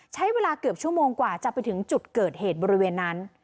ใช้เวลาเกือบชั่วโมงกว่าจะไปถึงจุดเกิดเหตุบริเวณนั้น